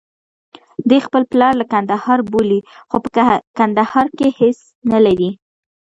دی خپل پلار له کندهار بولي، خو په کندهار کې هېڅ نلري.